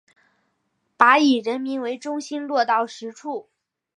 把以人民为中心落到实处